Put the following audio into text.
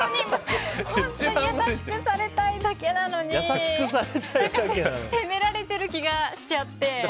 優しくされたいだけなのに責められている気がしちゃって。